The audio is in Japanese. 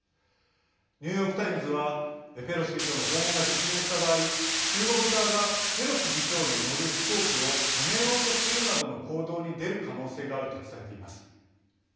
ニューヨークタイムズはペロシ議長の訪問が実現した場合中国側が、ペロシ議長の乗る飛行機を止めようとするなどの行動に出る可能性があると伝えています。